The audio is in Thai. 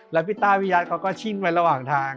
แล้วพี่ต้าพี่ยัดเขาก็ชินไว้ระหว่างทาง